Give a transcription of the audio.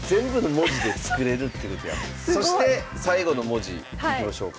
そして最後の文字いきましょうか。